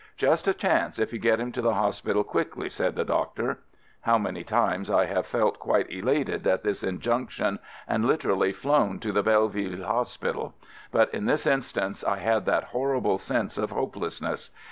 "Just a chance if you get him to the Hospital quickly" said the doctor. How many times I have felt quite elated at this injunction, and literally flown to the Belleville Hospital; but in this instance I had that horrible sense of hopelessness.